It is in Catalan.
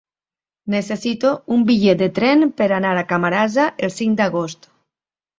Necessito un bitllet de tren per anar a Camarasa el cinc d'agost.